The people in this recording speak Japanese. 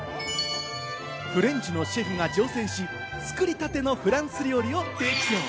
フレンチのシェフが乗船し、作りたてのフランス料理を提供。